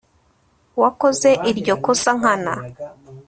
Wakoze iryo kosa nkana